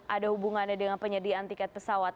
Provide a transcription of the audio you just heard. ada hubungannya dengan penyediaan tiket pesawat